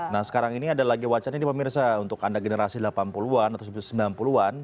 nah sekarang ini ada lagi wacana ini pemirsa untuk anda generasi delapan puluh an atau sembilan puluh an